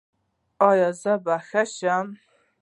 ایا زه به ښه شم؟